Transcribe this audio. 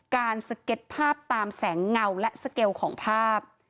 สเก็ตภาพตามแสงเงาและสเกลของภาพ